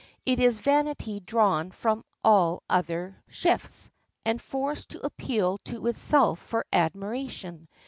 It is vanity drawn from all other shifts, and forced to appeal to itself for admiration.